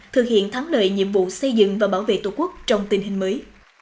thực hiện thắng lợi nhiệm vụ xây dựng và bảo vệ tổ quốc trong tình hình mới